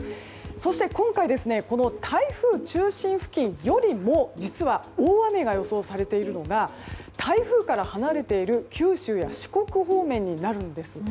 そして今回、台風中心付近よりも実は大雨が予想されているのが台風から離れている九州や四国方面になるんです。